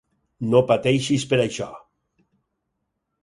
No pateixis per això.